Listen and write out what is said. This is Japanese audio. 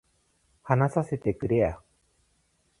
話させてくれや